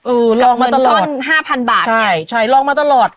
เออลองมาตลอดกับเงินต้นห้าพันบาทเนี้ยใช่ใช่ลองมาตลอด